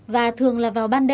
và thường là vào bản địa